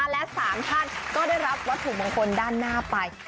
และ๓ท่านก็ได้รับวัตถุมงคลด้านหน้าไป